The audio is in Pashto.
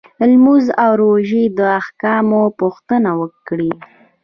لمونځ او روژې د احکامو پوښتنه وکړي.